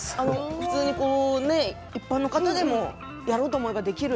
普通に一般の方でもやろうと思えばできる？